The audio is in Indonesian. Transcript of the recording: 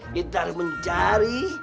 kita harus mencari